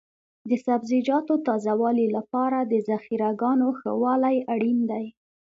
د سبزیجاتو تازه والي لپاره د ذخیره ګاهونو ښه والی اړین دی.